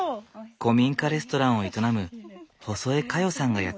古民家レストランを営む細江香代さんがやって来た。